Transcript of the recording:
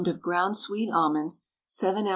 of ground sweet almonds, 7 oz.